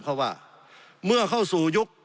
เพราะว่าเมื่อเข้าสู่ยุค